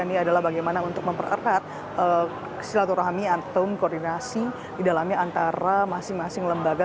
ini adalah bagaimana untuk mempererat silaturahmi antum koordinasi di dalamnya antara masing masing lembaga